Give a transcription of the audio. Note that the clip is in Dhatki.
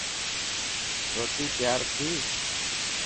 روتي تيار ٿي.